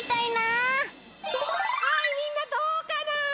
はいみんなどうかな。